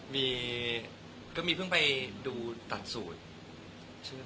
มีก็มีเพิ่งไปดูตัดสูตร